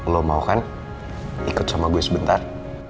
lo mau kan ikut sama gue sebentar